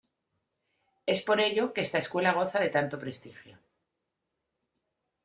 Es por ello que esta escuela goza de tanto prestigio.